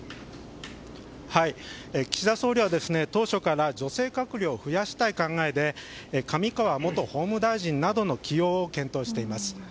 岸田総理は当初から女性閣僚を増やしたい考えで上川元法務大臣などの起用を検討しています。